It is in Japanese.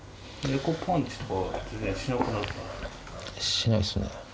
しないですね。